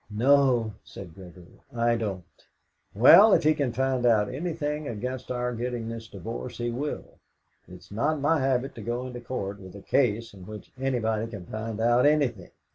"No," said Gregory, "I don't." "Well, if he can find out anything against our getting this divorce, he will. It is not my habit to go into Court with a case in which anybody can find out anything."